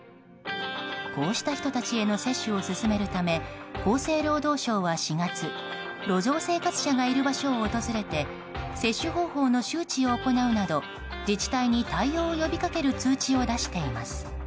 こうした人たちへの接種を進めるため厚生労働省は４月路上生活者がいる場所を訪れて接種方法の周知を行うなど自治体に対応を呼びかける通知を出しています。